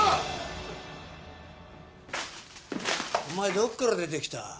お前どっから出てきた？